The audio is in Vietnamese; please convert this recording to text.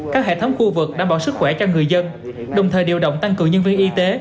các hệ thống khu vực đảm bảo sức khỏe cho người dân đồng thời điều động tăng cường nhân viên y tế